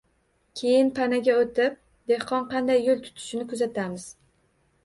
Keyin panaga oʻtib, dehqon qanday yoʻl tutishini kuzatamiz